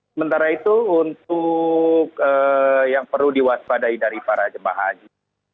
sementara itu untuk yang perlu diwaspadai dari para jemaah haji